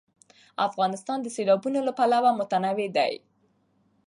افغانستان د سیلابونه له پلوه متنوع دی.